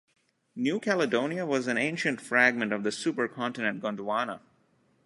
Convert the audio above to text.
New Caledonia was an ancient fragment of the supercontinent Gondwana.